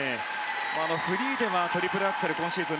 フリーでトリプルアクセル今シーズン